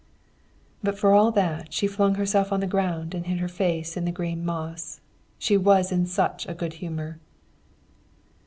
But for all that, she flung herself on the ground and hid her face in the green moss. She was in such a good humour!